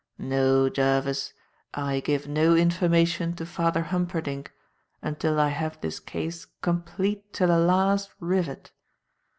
No, Jervis, I give no information to Father Humperdinck until I have this case complete to the last rivet.